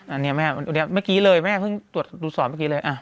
อันนี้ไม่ครับตรวจสอนเมื่อกี้เลย